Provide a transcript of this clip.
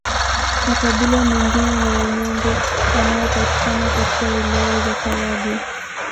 Makabila mengine ni Wanyambo wanaopatikana katika Wilaya za Karagwe